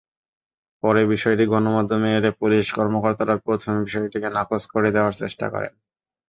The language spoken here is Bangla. পরে বিষয়টি গণমাধ্যমে এলে পুলিশ কর্মকর্তারা প্রথমে বিষয়টিকে নাকচ করে দেওয়ার চেষ্টা করেন।